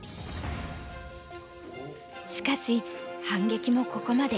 しかし反撃もここまで。